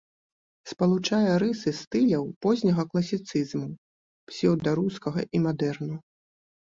Спалучае рысы стыляў позняга класіцызму, псеўдарускага і мадэрну.